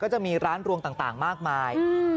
จะมีร้านรวงต่างมากมาย